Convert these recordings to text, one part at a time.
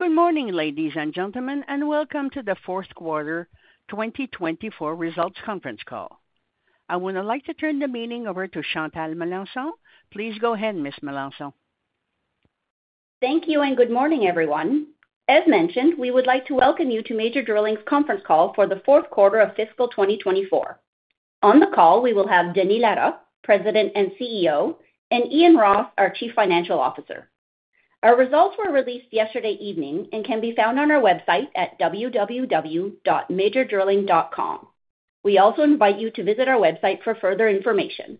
Good morning, ladies and gentlemen, and welcome to the fourth quarter 2024 results conference call. I would now like to turn the meeting over to Chantal Melanson. Please go ahead, Ms. Melanson. Thank you, and good morning, everyone. As mentioned, we would like to welcome you to Major Drilling's conference call for the fourth quarter of fiscal 2024. On the call, we will have Denis Larocque, President and CEO, and Ian Ross, our Chief Financial Officer. Our results were released yesterday evening and can be found on our website at www.majordrilling.com. We also invite you to visit our website for further information.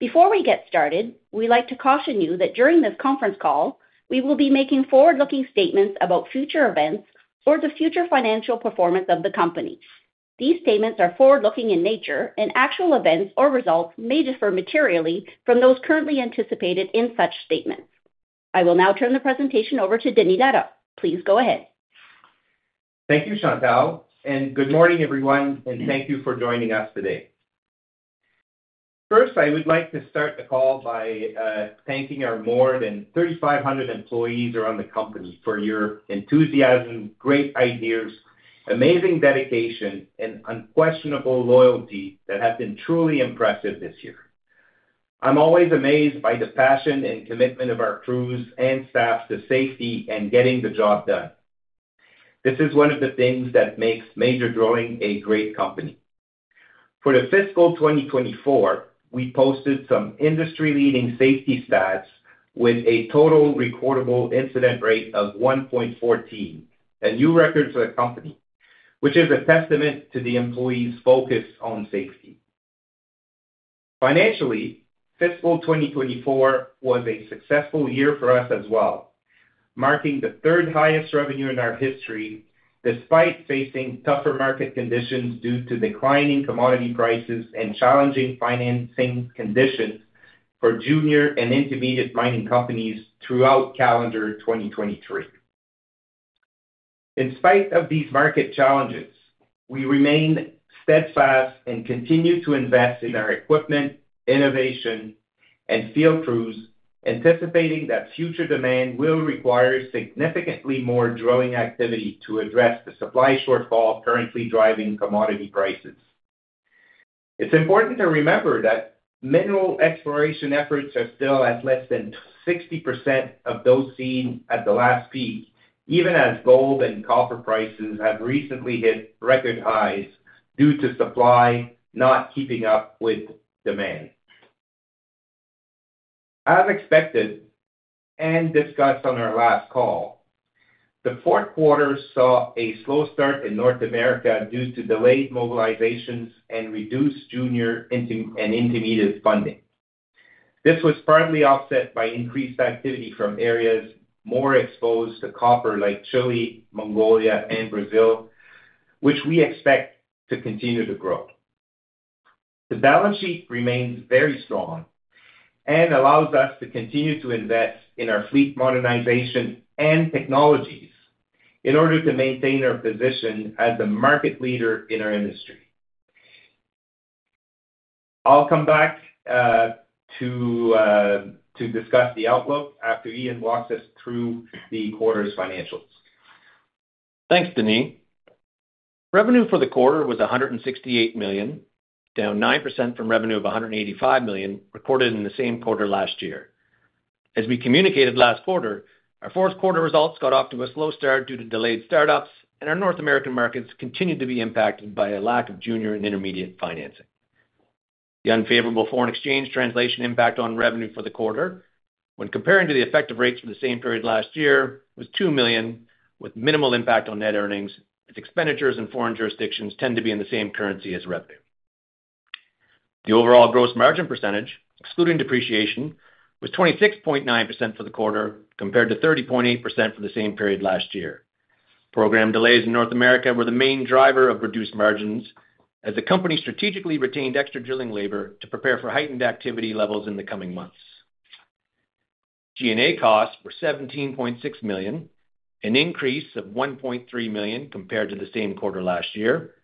Before we get started, we'd like to caution you that during this conference call, we will be making forward-looking statements about future events or the future financial performance of the company. These statements are forward-looking in nature, and actual events or results may differ materially from those currently anticipated in such statements. I will now turn the presentation over to Denis Larocque. Please go ahead. Thank you, Chantal, and good morning, everyone, and thank you for joining us today. First, I would like to start the call by thanking our more than 3,500 employees around the company for your enthusiasm, great ideas, amazing dedication, and unquestionable loyalty that has been truly impressive this year. I'm always amazed by the passion and commitment of our crews and staff to safety and getting the job done. This is one of the things that makes Major Drilling a great company. For the fiscal 2024, we posted some industry-leading safety stats with a total recordable incident rate of 1.14, a new record for the company, which is a testament to the employees' focus on safety. Financially, fiscal 2024 was a successful year for us as well, marking the third highest revenue in our history, despite facing tougher market conditions due to declining commodity prices and challenging financing conditions for junior and intermediate mining companies throughout calendar 2023. In spite of these market challenges, we remained steadfast and continued to invest in our equipment, innovation, and field crews, anticipating that future demand will require significantly more drilling activity to address the supply shortfall currently driving commodity prices. It's important to remember that mineral exploration efforts are still at less than 60% of those seen at the last peak, even as gold and copper prices have recently hit record highs due to supply not keeping up with demand. As expected and discussed on our last call, the fourth quarter saw a slow start in North America due to delayed mobilizations and reduced junior and intermediate funding. This was partly offset by increased activity from areas more exposed to copper, like Chile, Mongolia, and Brazil, which we expect to continue to grow. The balance sheet remains very strong and allows us to continue to invest in our fleet modernization and technologies in order to maintain our position as the market leader in our industry. I'll come back to discuss the outlook after Ian walks us through the quarter's financials. Thanks, Denis. Revenue for the quarter was 168 million, down 9% from revenue of 185 million recorded in the same quarter last year. As we communicated last quarter, our fourth quarter results got off to a slow start due to delayed startups, and our North American markets continued to be impacted by a lack of junior and intermediate financing. The unfavorable foreign exchange translation impact on revenue for the quarter, when comparing to the effective rates for the same period last year, was 2 million, with minimal impact on net earnings, as expenditures in foreign jurisdictions tend to be in the same currency as revenue. The overall gross margin percentage, excluding depreciation, was 26.9% for the quarter, compared to 30.8% for the same period last year. Program delays in North America were the main driver of reduced margins, as the company strategically retained extra drilling labor to prepare for heightened activity levels in the coming months. G&A costs were 17.6 million, an increase of 1.3 million compared to the same quarter last year.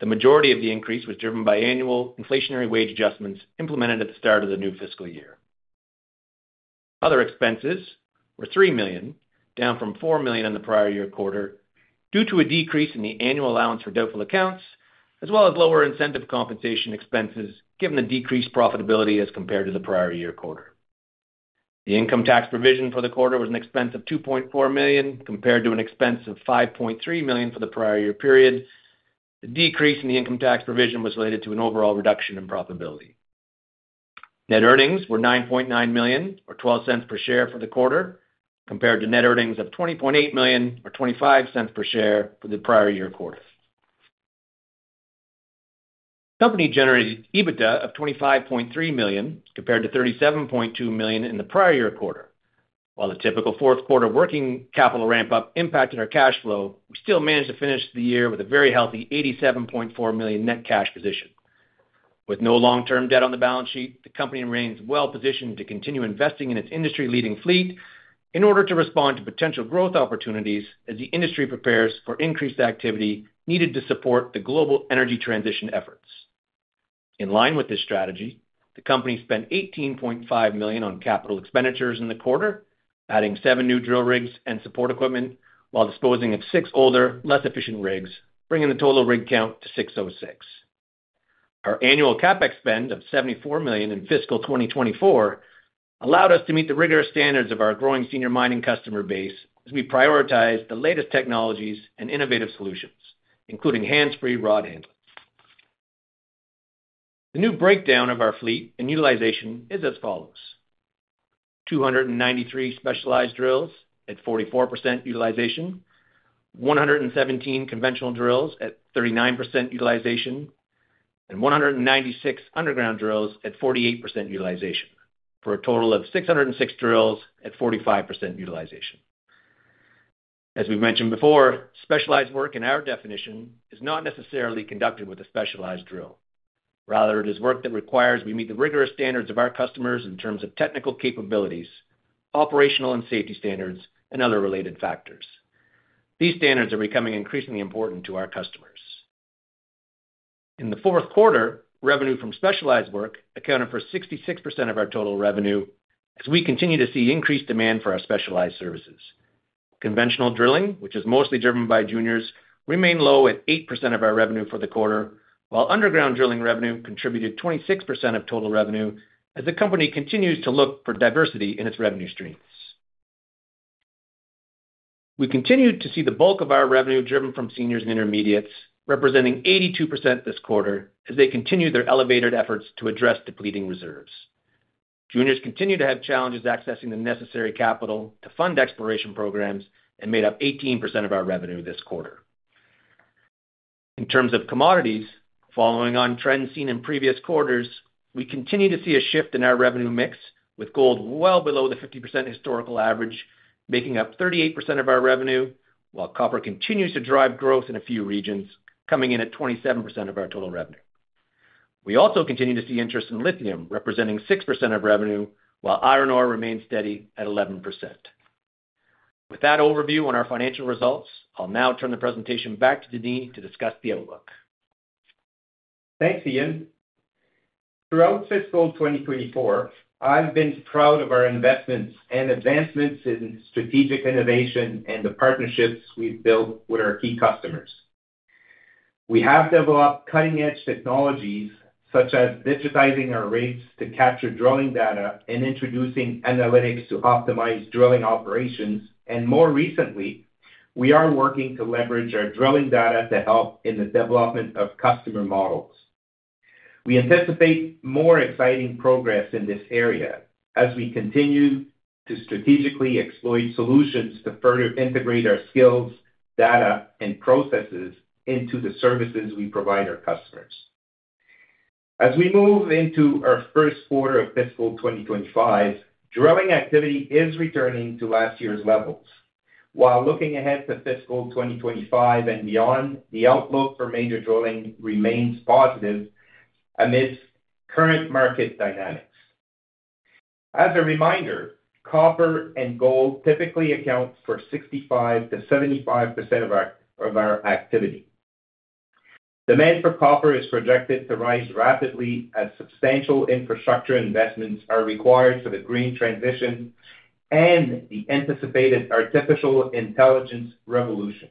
The majority of the increase was driven by annual inflationary wage adjustments implemented at the start of the new fiscal year. Other expenses were 3 million, down from 4 million in the prior year quarter, due to a decrease in the annual allowance for doubtful accounts, as well as lower incentive compensation expenses, given the decreased profitability as compared to the prior year quarter. The income tax provision for the quarter was an expense of 2.4 million, compared to an expense of 5.3 million for the prior year period. The decrease in the income tax provision was related to an overall reduction in profitability. Net earnings were 9.9 million, or 0.12 per share for the quarter, compared to net earnings of 20.8 million, or 0.25 per share for the prior year quarter. Company generated EBITDA of 25.3 million, compared to 37.2 million in the prior year quarter. While the typical fourth quarter working capital ramp-up impacted our cash flow, we still managed to finish the year with a very healthy 87.4 million net cash position. With no long-term debt on the balance sheet, the company remains well positioned to continue investing in its industry-leading fleet in order to respond to potential growth opportunities as the industry prepares for increased activity needed to support the global energy transition effort. In line with this strategy, the company spent CAD 18.5 million on capital expenditures in the quarter, adding seven new drill rigs and support equipment, while disposing of six older, less efficient rigs, bringing the total rig count to 606. Our annual CapEx spend of 74 million in fiscal 2024, allowed us to meet the rigorous standards of our growing senior mining customer base, as we prioritize the latest technologies and innovative solutions, including hands-free rod handling. The new breakdown of our fleet and utilization is as follows: 293 specialized drills at 44% utilization, 117 conventional drills at 39% utilization, and 196 underground drills at 48% utilization, for a total of 606 drills at 45% utilization. As we've mentioned before, specialized work in our definition is not necessarily conducted with a specialized drill. Rather, it is work that requires we meet the rigorous standards of our customers in terms of technical capabilities, operational and safety standards, and other related factors. These standards are becoming increasingly important to our customers. In the fourth quarter, revenue from specialized work accounted for 66% of our total revenue, as we continue to see increased demand for our specialized services. Conventional drilling, which is mostly driven by juniors, remained low at 8% of our revenue for the quarter, while underground drilling revenue contributed 26% of total revenue, as the company continues to look for diversity in its revenue streams. We continued to see the bulk of our revenue driven from seniors and intermediates, representing 82% this quarter, as they continue their elevated efforts to address depleting reserves. Juniors continue to have challenges accessing the necessary capital to fund exploration programs and made up 18% of our revenue this quarter. In terms of commodities, following on trends seen in previous quarters, we continue to see a shift in our revenue mix, with gold well below the 50% historical average, making up 38% of our revenue, while copper continues to drive growth in a few regions, coming in at 27% of our total revenue. We also continue to see interest in lithium, representing 6% of revenue, while iron ore remains steady at 11%. With that overview on our financial results, I'll now turn the presentation back to Denis to discuss the outlook. Thanks, Ian. Throughout fiscal 2024, I've been proud of our investments and advancements in strategic innovation and the partnerships we've built with our key customers. We have developed cutting-edge technologies, such as digitizing our rigs to capture drilling data and introducing analytics to optimize drilling operations, and more recently, we are working to leverage our drilling data to help in the development of customer models. We anticipate more exciting progress in this area as we continue to strategically exploit solutions to further integrate our skills, data, and processes into the services we provide our customers. As we move into our first quarter of fiscal 2025, drilling activity is returning to last year's levels. While looking ahead to fiscal 2025 and beyond, the outlook for Major Drilling remains positive amidst current market dynamics. As a reminder, copper and gold typically account for 65%-75% of our activity. Demand for copper is projected to rise rapidly as substantial infrastructure investments are required for the green transition and the anticipated artificial intelligence revolution.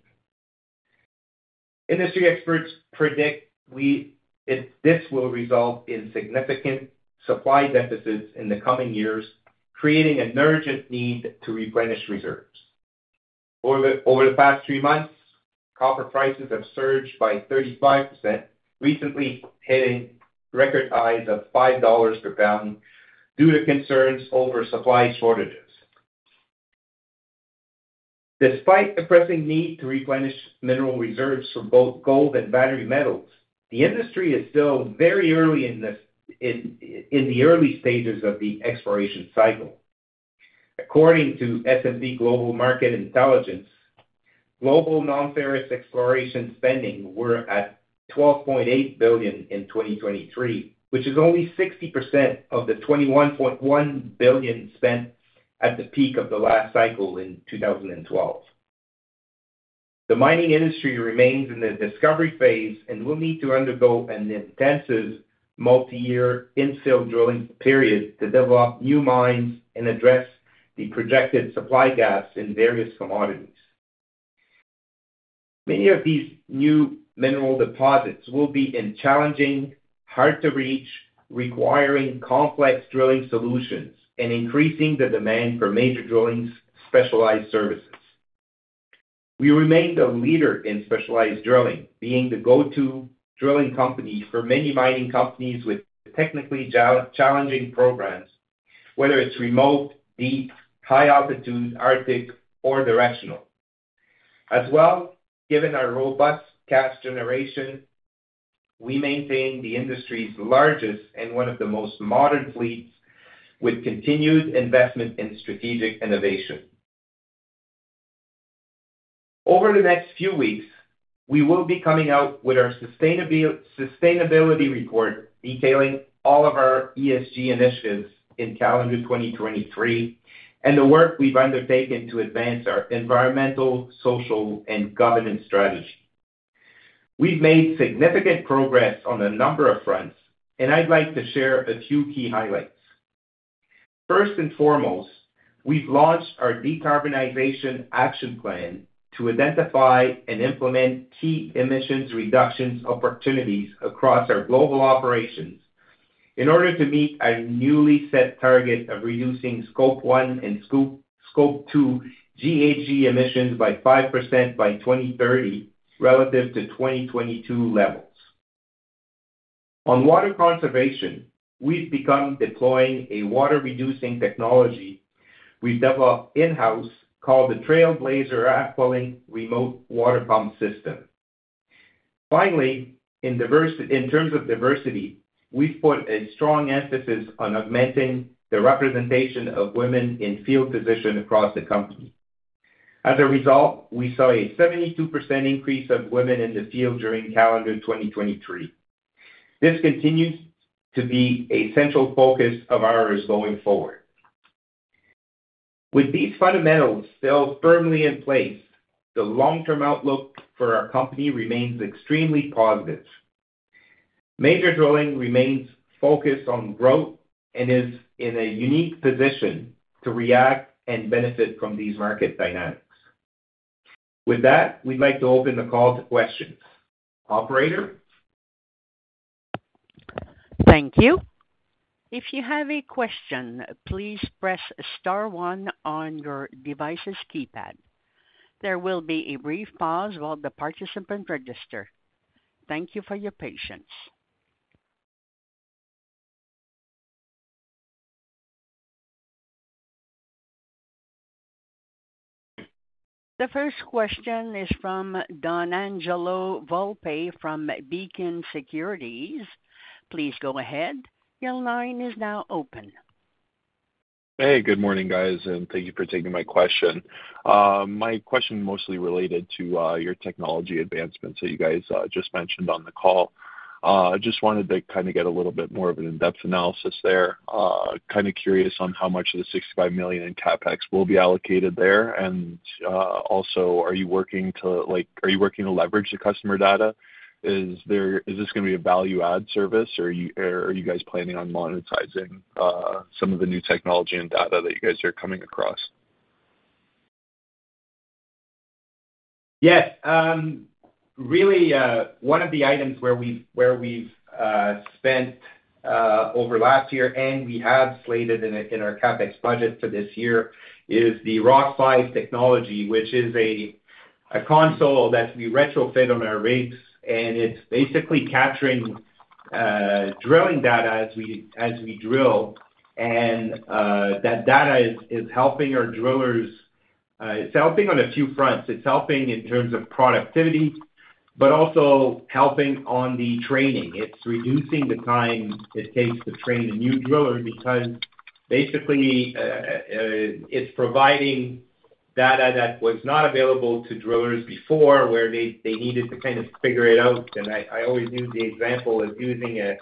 Industry experts predict it, this will result in significant supply deficits in the coming years, creating an urgent need to replenish reserves. Over the past three months, copper prices have surged by 35%, recently hitting record highs of 5 dollars per pound due to concerns over supply shortages. Despite the pressing need to replenish mineral reserves for both gold and battery metals, the industry is still very early in this, in the early stages of the exploration cycle. According to S&P Global Market Intelligence, global non-ferrous exploration spending was at 12.8 billion in 2023, which is only 60% of the 21.1 billion spent at the peak of the last cycle in 2012. The mining industry remains in the discovery phase and will need to undergo an intensive multi-year infill drilling period to develop new mines and address the projected supply gaps in various commodities. Many of these new mineral deposits will be in challenging, hard-to-reach, requiring complex drilling solutions and increasing the demand for Major Drilling specialized services. We remain the leader in specialized drilling, being the go-to drilling company for many mining companies with technically challenging programs, whether it's remote, deep, high altitude, Arctic, or directional. As well, given our robust cash generation, we maintain the industry's largest and one of the most modern fleets with continued investment in strategic innovation. Over the next few weeks, we will be coming out with our sustainability report, detailing all of our ESG initiatives in calendar 2023, and the work we've undertaken to advance our environmental, social, and governance strategy. We've made significant progress on a number of fronts, and I'd like to share a few key highlights. First and foremost, we've launched our decarbonization action plan to identify and implement key emissions reductions opportunities across our global operations in order to meet our newly set target of reducing Scope 1 and Scope 2 GHG emissions by 5% by 2030, relative to 2022 levels. On water conservation, we've begun deploying a water-reducing technology we've developed in-house, called the Trailblazer AquaLink remote water pump system. Finally, in terms of diversity, we've put a strong emphasis on augmenting the representation of women in field positions across the company. As a result, we saw a 72% increase of women in the field during calendar 2023. This continues to be a central focus of ours going forward. With these fundamentals still firmly in place, the long-term outlook for our company remains extremely positive. Major Drilling remains focused on growth and is in a unique position to react and benefit from these market dynamics. With that, we'd like to open the call to questions. Operator? Thank you. If you have a question, please press star one on your device's keypad. There will be a brief pause while the participant registers. Thank you for your patience. The first question is from Donangelo Volpe from Beacon Securities. Please go ahead. Your line is now open. Hey, good morning, guys, and thank you for taking my question. My question mostly related to your technology advancements that you guys just mentioned on the call. I just wanted to kind of get a little bit more of an in-depth analysis there. Kind of curious on how much of the 65 million in CapEx will be allocated there. And, also, are you working to like, are you working to leverage the customer data? Is there, is this gonna be a value-add service, or you, or are you guys planning on monetizing some of the new technology and data that you guys are coming across? Yes. Really, one of the items where we, where we've spent over last year and we have slated in our CapEx budget for this year is the Rock5 technology, which is a console that we retrofit on our rigs, and it's basically capturing drilling data as we drill. And that data is helping our drillers, it's helping on a few fronts. It's helping in terms of productivity, but also helping on the training. It's reducing the time it takes to train a new driller because, basically, it's providing data that was not available to drillers before, where they needed to kind of figure it out. I always use the example of using a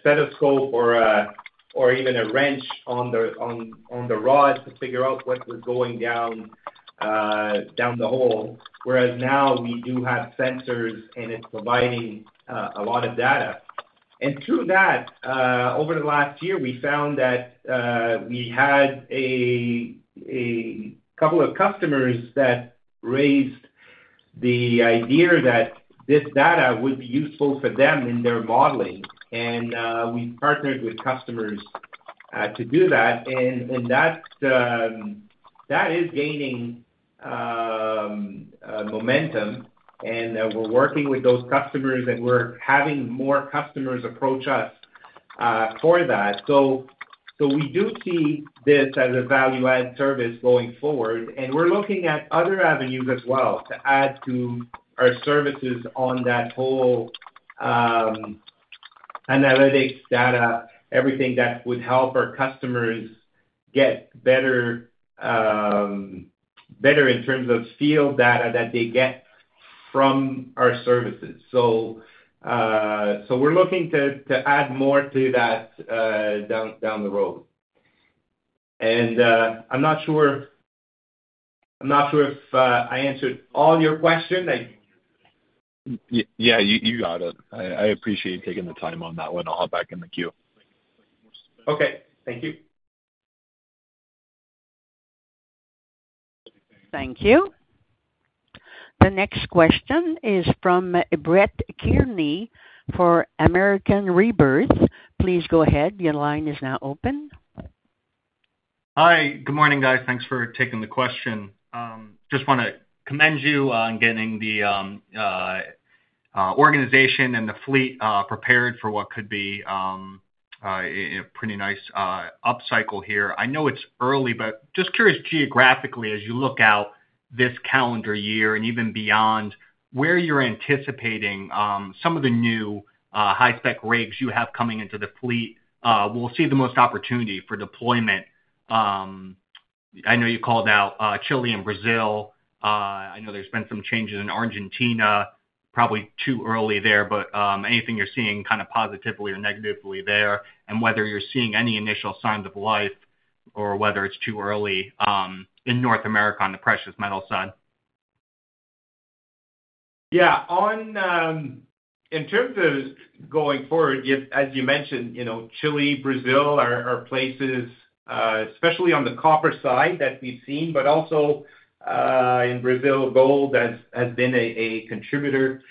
stethoscope or even a wrench on the rod to figure out what was going down the hole. Whereas now we do have sensors, and it's providing a lot of data. Through that, over the last year, we found that we had a couple of customers that raised the idea that this data would be useful for them in their modeling, and we partnered with customers to do that. That is gaining momentum, and we're working with those customers, and we're having more customers approach us for that. So, so we do see this as a value-add service going forward, and we're looking at other avenues as well to add to our services on that whole, analytics data, everything that would help our customers get better, better in terms of field data that they get from our services. So, so we're looking to, to add more to that, down, down the road. And, I'm not sure, I'm not sure if, I answered all your questions. I- Yeah, you got it. I appreciate you taking the time on that one. I'll hop back in the queue. Okay, thank you. Thank you. The next question is from Brett Kearney for American Rebirth. Please go ahead. Your line is now open. Hi, good morning, guys. Thanks for taking the question. Just wanna commend you on getting the organization and the fleet prepared for what could be a pretty nice upcycle here. I know it's early, but just curious geographically, as you look out this calendar year and even beyond, where you're anticipating some of the new high-spec rigs you have coming into the fleet will see the most opportunity for deployment. I know you called out Chile and Brazil. I know there's been some changes in Argentina. Probably too early there, but anything you're seeing kind of positively or negatively there, and whether you're seeing any initial signs of life? Or whether it's too early in North America on the precious metal side? Yeah, on, in terms of going forward, yeah, as you mentioned, you know, Chile, Brazil, are places, especially on the copper side, that we've seen, but also, in Brazil, gold has been a contributor.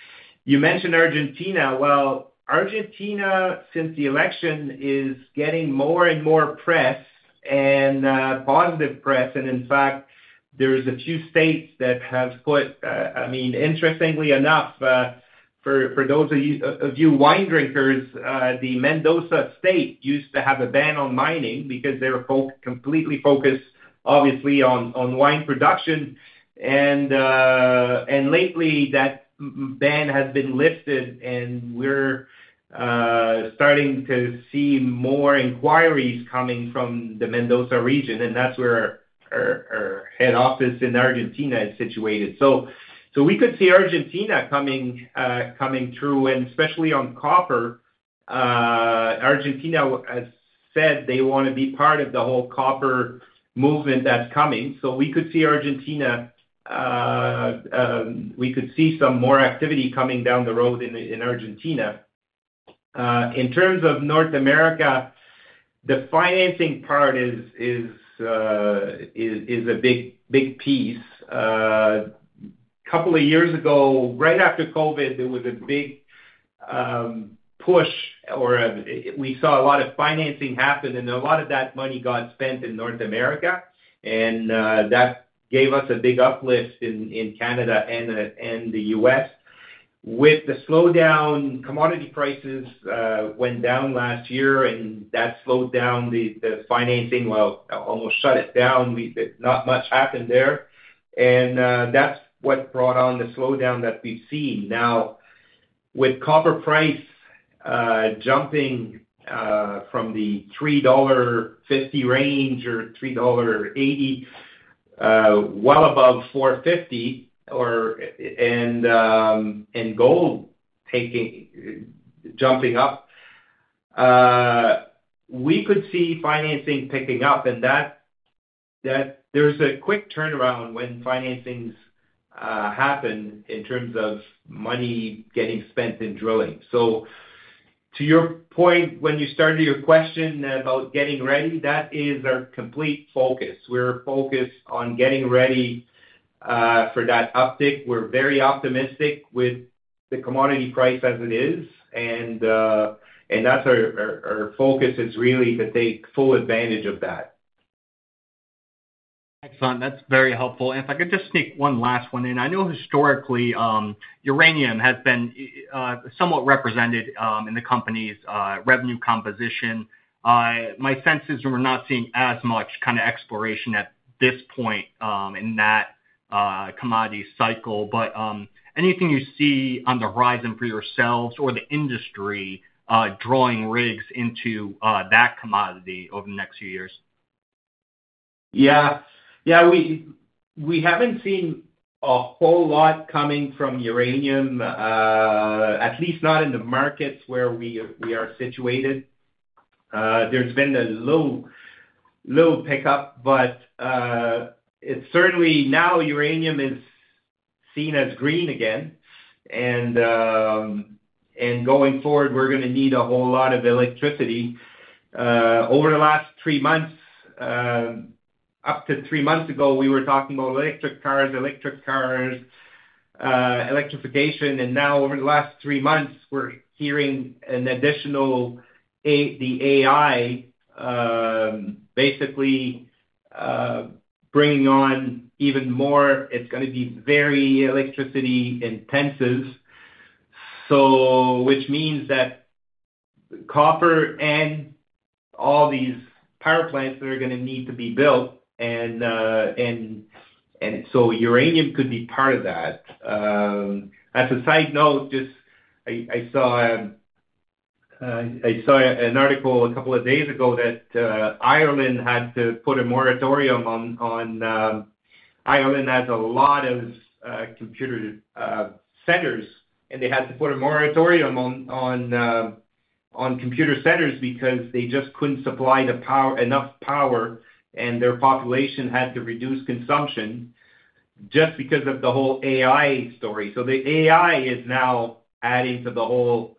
You mentioned Argentina. Well, Argentina, since the election, is getting more and more press and positive press. And in fact, there is a few states that have put, I mean, interestingly enough, for those of you wine drinkers, the Mendoza State used to have a ban on mining because they were completely focused, obviously, on wine production. And lately, that ban has been lifted, and we're starting to see more inquiries coming from the Mendoza region, and that's where our head office in Argentina is situated. So we could see Argentina coming through, and especially on copper. Argentina has said they wanna be part of the whole copper movement that's coming. So we could see Argentina. We could see some more activity coming down the road in Argentina. In terms of North America, the financing part is a big, big piece. A couple of years ago, right after COVID, there was a big push, or we saw a lot of financing happen, and a lot of that money got spent in North America, and that gave us a big uplift in Canada and the U.S. With the slowdown, commodity prices went down last year, and that slowed down the financing, well, almost shut it down. Not much happened there, and that's what brought on the slowdown that we've seen. Now, with copper price jumping from the 3.50 dollar range or 3.80 dollar well above 4.50 or and gold taking... jumping up, we could see financing picking up, and that-- There's a quick turnaround when financings happen in terms of money getting spent in drilling. So to your point, when you started your question about getting ready, that is our complete focus. We're focused on getting ready for that uptick. We're very optimistic with the commodity price as it is, and and that's our, our, our focus is really to take full advantage of that. Excellent. That's very helpful. If I could just sneak one last one in. I know historically, uranium has been somewhat represented in the company's revenue composition. My sense is we're not seeing as much kind of exploration at this point in that commodity cycle. But anything you see on the horizon for yourselves or the industry drawing rigs into that commodity over the next few years? Yeah. Yeah, we haven't seen a whole lot coming from uranium, at least not in the markets where we are situated. There's been a little pickup, but it's certainly now uranium is seen as green again, and going forward, we're gonna need a whole lot of electricity. Over the last three months, up to three months ago, we were talking about electric cars, electric cars, electrification, and now over the last three months, we're hearing an additional, the AI, basically bringing on even more. It's gonna be very electricity intensive, so which means that copper and all these power plants that are gonna need to be built, and so uranium could be part of that. As a side note, just I saw an article a couple of days ago that Ireland had to put a moratorium on... Ireland has a lot of computer centers, and they had to put a moratorium on computer centers because they just couldn't supply enough power, and their population had to reduce consumption just because of the whole AI story. So the AI is now adding to the whole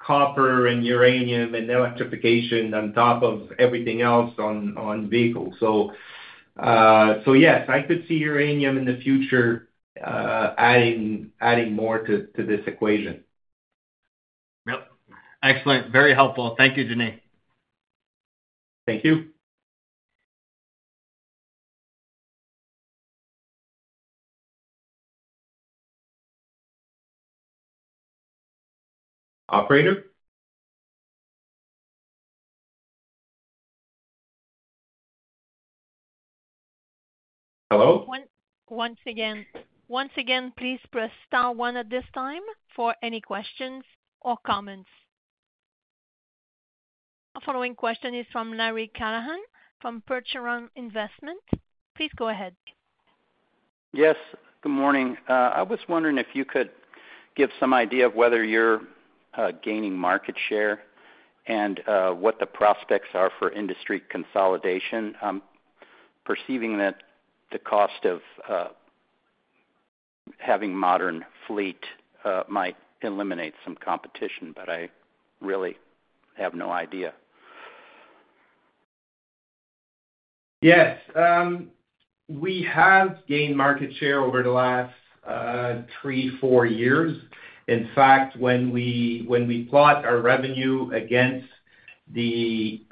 copper and uranium and electrification on top of everything else on vehicles. So yes, I could see uranium in the future adding more to this equation. Yep. Excellent. Very helpful. Thank you, Denis. Thank you. Operator? Hello? Once again, please press star one at this time for any questions or comments. Our following question is from Larry Callahan from Percheron Investment. Please go ahead. Yes, good morning. I was wondering if you could give some idea of whether you're gaining market share, and what the prospects are for industry consolidation. I'm perceiving that the cost of having modern fleet might eliminate some competition, but I really have no idea. Yes. We have gained market share over the last three, four years. In fact, when we plot our revenue against the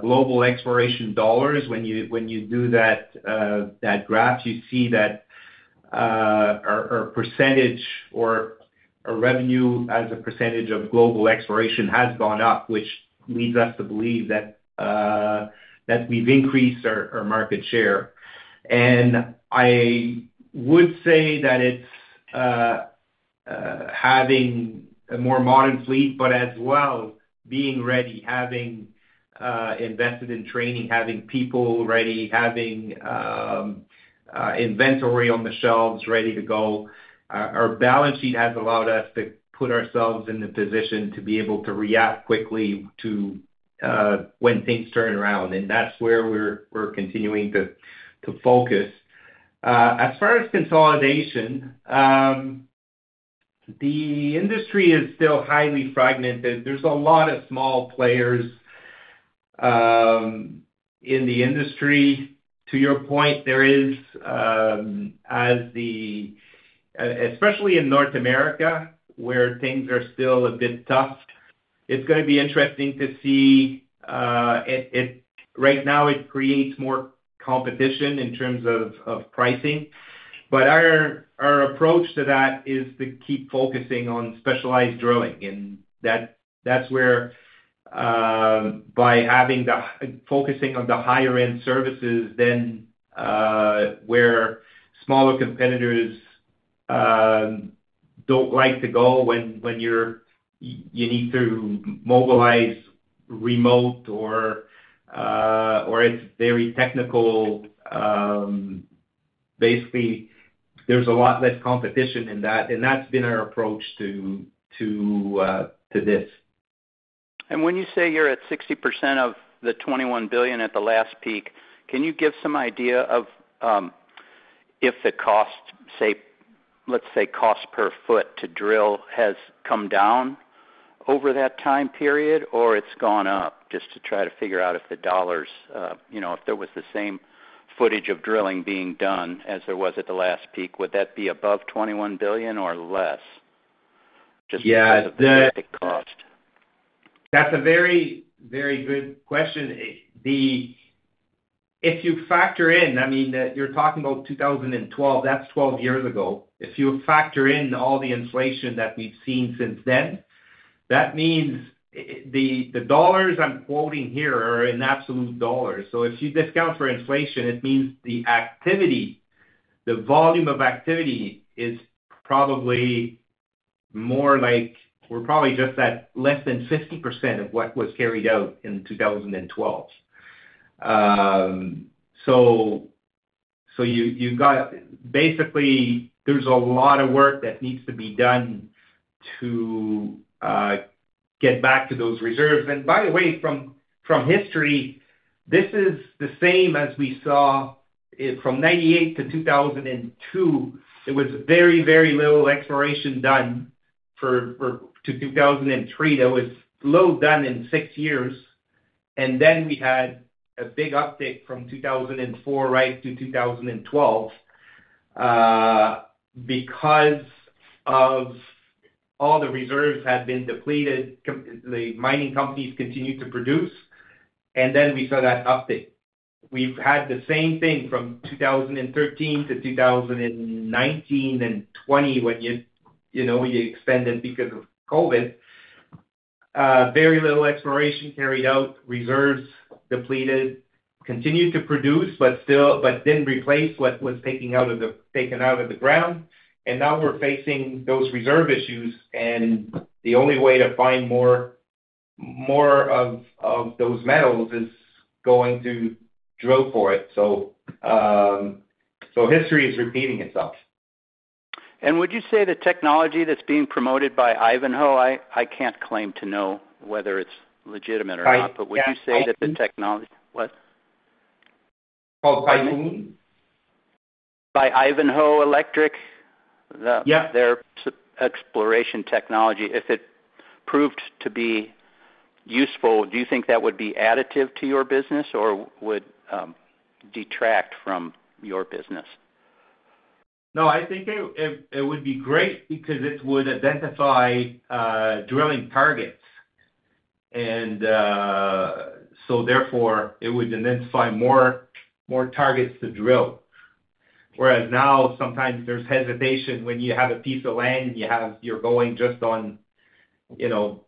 global exploration dollars, when you do that graph, you see that our percentage or our revenue as a percentage of global exploration has gone up, which leads us to believe that we've increased our market share. And I would say that it's having a more modern fleet, but as well, being ready, having invested in training, having people ready, having inventory on the shelves ready to go. Our balance sheet has allowed us to put ourselves in the position to be able to react quickly to when things turn around, and that's where we're continuing to focus. As far as consolidation, the industry is still highly fragmented. There's a lot of small players in the industry. To your point, there is especially in North America, where things are still a bit tough. It's gonna be interesting to see. Right now, it creates more competition in terms of pricing. But our approach to that is to keep focusing on specialized drilling, and that's where, focusing on the higher-end services, then where smaller competitors don't like to go when you need to mobilize remote or it's very technical. Basically, there's a lot less competition in that, and that's been our approach to this. When you say you're at 60% of the 21 billion at the last peak, can you give some idea of if the cost, say, let's say, cost per foot to drill has come down over that time period, or it's gone up? Just to try to figure out if the dollars, you know, if there was the same footage of drilling being done as there was at the last peak, would that be above 21 billion or less? Just- Yeah. because of the cost. That's a very, very good question. If you factor in, I mean, you're talking about 2012, that's 12 years ago. If you factor in all the inflation that we've seen since then, that means the dollars I'm quoting here are in absolute dollars. So if you discount for inflation, it means the activity, the volume of activity, is probably more like, we're probably just at less than 50% of what was carried out in 2012. So you got, basically, there's a lot of work that needs to be done to get back to those reserves. And by the way, from history, this is the same as we saw from 98 to 2002. There was very, very little exploration done for to 2003. There was little done in six years, and then we had a big uptick from 2004 right to 2012, because of all the reserves had been depleted. The mining companies continued to produce, and then we saw that uptick. We've had the same thing from 2013-2019 and 2020, when you, you know, we expanded because of COVID. Very little exploration carried out, reserves depleted, continued to produce, but still, but didn't replace what was taken out of the ground. And now we're facing those reserve issues, and the only way to find more, more of, of those metals is going to drill for it. So, so history is repeating itself. Would you say the technology that's being promoted by Ivanhoe? I can't claim to know whether it's legitimate or not- But would you say that the technology. What? Called Typhoon? By Ivanhoe Electric? Yeah. Their exploration technology, if it proved to be useful, do you think that would be additive to your business or would, detract from your business? No, I think it would be great because it would identify drilling targets. So therefore, it would identify more targets to drill. Whereas now, sometimes there's hesitation when you have a piece of land, you're going just on, you know,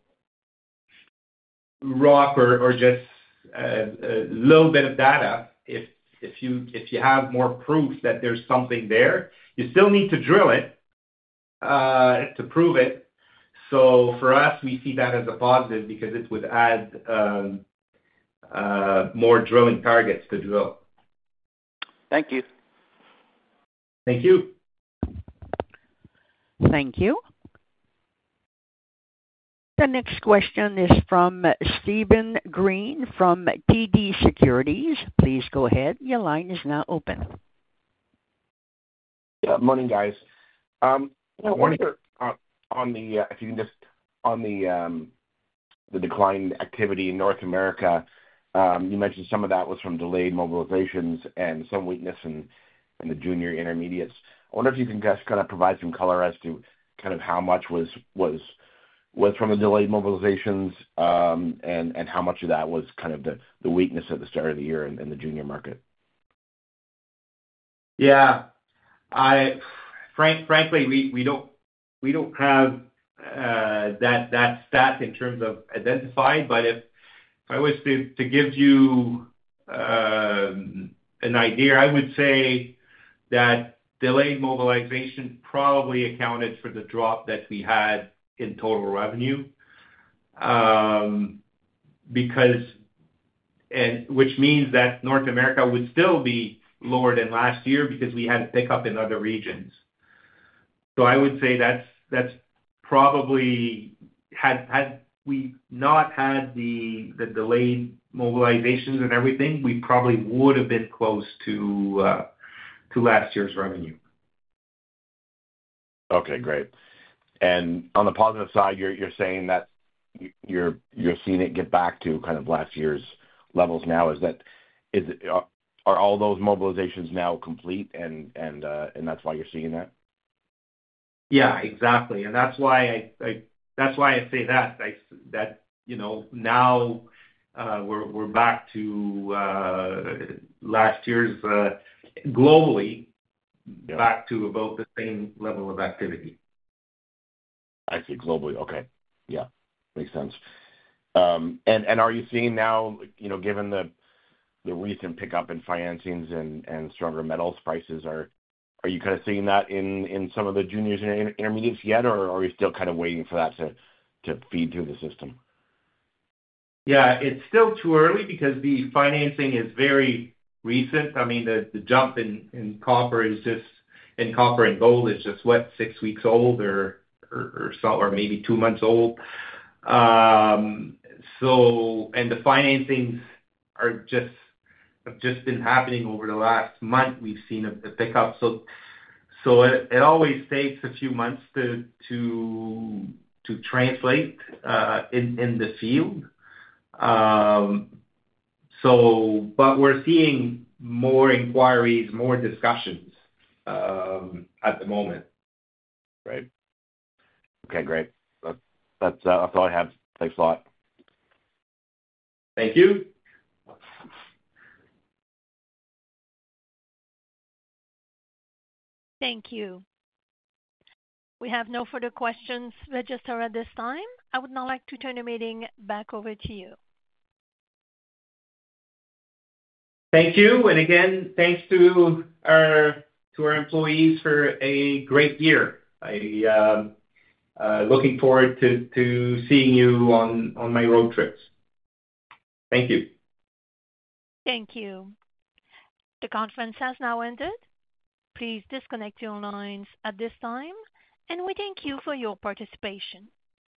rock or just a little bit of data. If you have more proof that there's something there, you still need to drill it, to prove it. So for us, we see that as a positive because it would add more drilling targets to drill. Thank you. Thank you. Thank you. The next question is from Steven Green, from TD Securities. Please go ahead. Your line is now open. Yeah. Morning, guys. Morning. On the decline activity in North America, you mentioned some of that was from delayed mobilizations and some weakness in the junior intermediates. I wonder if you can just kind of provide some color as to kind of how much was from the delayed mobilizations, and how much of that was kind of the weakness at the start of the year in the junior market? Yeah. Frankly, we don't have that stat in terms of identified, but if I was to give you an idea, I would say that delayed mobilization probably accounted for the drop that we had in total revenue. Because which means that North America would still be lower than last year because we had a pickup in other regions. So I would say that's probably, had we not had the delayed mobilizations and everything, we probably would have been close to last year's revenue. Okay, great. And on the positive side, you're saying that you're seeing it get back to kind of last year's levels now. Is that. Is, are all those mobilizations now complete and that's why you're seeing that? Yeah, exactly. And that's why I say that, you know, now, we're back to last year's globally- Yeah. back to about the same level of activity. I see, globally. Okay. Yeah, makes sense. And are you seeing now, you know, given the recent pickup in financings and stronger metals prices, are you kind of seeing that in some of the juniors and intermediates yet, or are you still kind of waiting for that to feed through the system? Yeah, it's still too early because the financing is very recent. I mean, the jump in copper is just in copper and gold is just what six weeks old or so or maybe two months old. So, and the financings are just have just been happening over the last month; we've seen a pickup. So it always takes a few months to translate in the field. So but we're seeing more inquiries, more discussions at the moment. Great. Okay, great. That's, that's all I have. Thanks a lot. Thank you. Thank you. We have no further questions registered at this time. I would now like to turn the meeting back over to you. Thank you. And again, thanks to our employees for a great year. I, looking forward to seeing you on my road trips. Thank you. Thank you. The conference has now ended. Please disconnect your lines at this time, and we thank you for your participation.